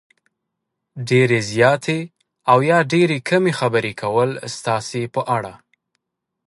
ډېرې زیاتې او یا ډېرې کمې خبرې کول ستاسې په اړه